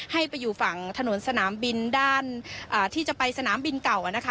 ให้ไปอยู่ฝั่งถนนสนามบินด้านที่จะไปสนามบินเก่านะคะ